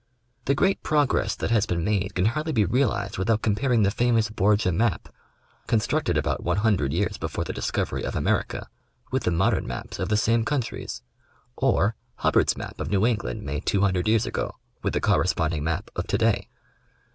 The great progress that has been made can hardly be realized without comparing the famous Borgia map, constructed about one hundred years before the discovery of America, with the modern maps of the same countries ; or Hubbard's map of New England made two hundred years ago, with the corresponding map of to day.